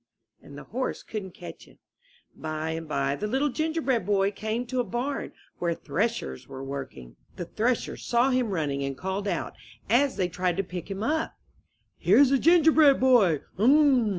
And the horse couldn't catch him. By and by the Little Gingerbread Boy came to a barn where threshers were working. The threshers saw him running and called out, as they tried to pick him up: ''Here is a gingerbread boy. Um!